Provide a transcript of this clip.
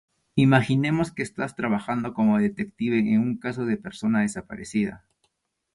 Imaginemos que estás trabajando como detective en un caso de persona desaparecida.